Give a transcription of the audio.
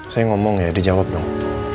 saya ngomong ya dijawab dong